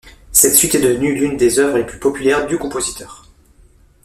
Cette suite est devenue l’une des œuvres les plus populaires du compositeur.